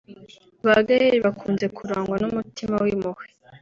Ba Gaelle bakunze kurangwa n’umutima w’impuhwe